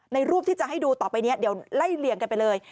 รูปที่จะให้ดูต่อไปนี้เดี๋ยวไล่เลี่ยงกันไปเลย